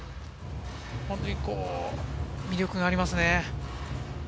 本当に、魅力がありますね。